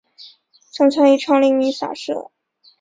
曾参与创立弥洒社。